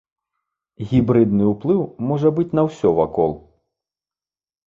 Гібрыдны ўплыў можа быць на ўсё вакол.